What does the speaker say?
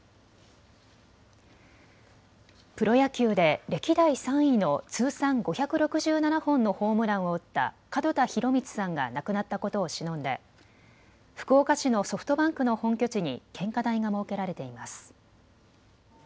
プロ野球で歴代３位の通算５６７本のホームランを打った門田博光さんが亡くなったことをしのんで福岡市のソフトバンクの本拠地に献花台が設けられています。